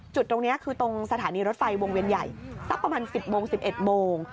จุดตรงนี้คือตรงสถานีรถไฟวงเวียนใหญ่สักประมาณ๑๐โมง๑๑โมง